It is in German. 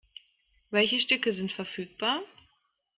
Welche Stücke sind verfügbar?